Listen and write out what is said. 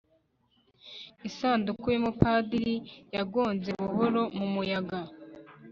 isanduku yumupadiri yagonze buhoro mumuyaga